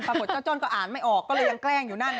เจ้าจ้อนก็อ่านไม่ออกก็เลยยังแกล้งอยู่นั่น